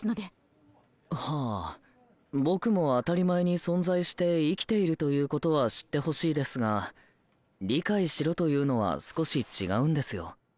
僕も当たり前に存在して生きているということは知ってほしいですが「理解しろ」というのは少し違うんですよ。